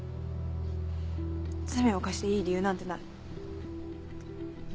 罪を犯していい理由なんてない。